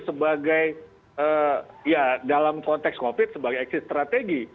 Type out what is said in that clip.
sebagai ya dalam konteks covid sebagai exit strategi